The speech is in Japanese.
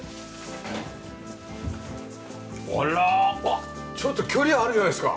あらちょっと距離あるじゃないですか。